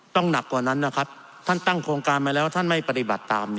หนักกว่านั้นนะครับท่านตั้งโครงการมาแล้วท่านไม่ปฏิบัติตาม